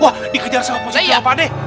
wah dikejar sama posisi yang pade